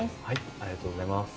ありがとうございます。